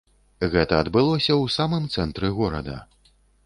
Гэта адбылося ў самым цэнтры горада.